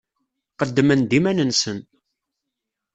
Qeddmen-d iman-nsen.